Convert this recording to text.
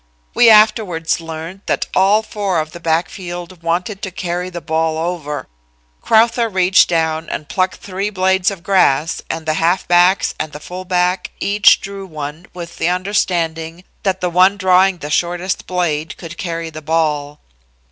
We afterwards learned that all four of the backfield wanted to carry the ball over. Crowther reached down and plucked three blades of grass and the halfbacks and the fullback each drew one with the understanding that the one drawing the shortest blade could carry the ball.